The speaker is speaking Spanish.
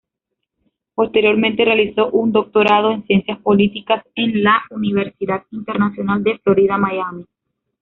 Posteriormente realizó un doctorado en Ciencias Políticas en la Universidad Internacional de Florida, Miami.